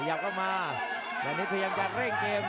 ประโยชน์ทอตอร์จานแสนชัยกับยานิลลาลีนี่ครับ